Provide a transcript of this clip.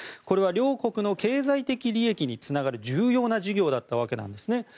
これは両国の経済的利益につながる重要な事業だったんですね。